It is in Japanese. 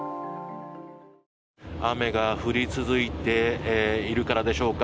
雨が降り続いているからでしょうか。